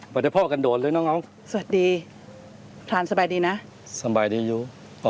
ปฏิพ่อกันโดดเลยน้องเอาสวัสดีพรานสบายดีนะสบายดีอยู่